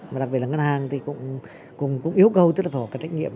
và đặc biệt là ngân hàng cũng yêu cầu tất cả các trách nhiệm